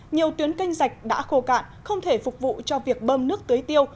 nhiều tuyến canh rạch đã khô cạn không thể phục vụ cho việc bơm nước tưới tiêu